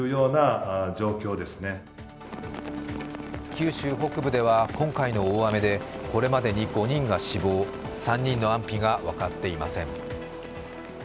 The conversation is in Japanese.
九州北部では今回の大雨でこれまでに５人が死亡、３人の安否が分かっていません。